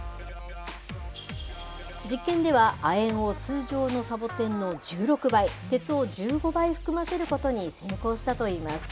実験では、亜鉛を通常のサボテンの１６倍、鉄を１５倍含ませることに成功したといいます。